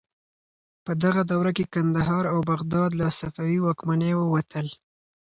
په دغه دوره کې کندهار او بغداد له صفوي واکمنۍ ووتل.